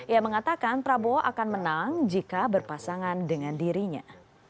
ia mengatakan prabowo akan menang jika berpasangan dengan dirinya